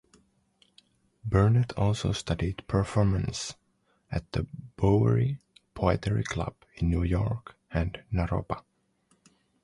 Burnett also studied performance at the Bowery Poetry Club in New York and Naropa.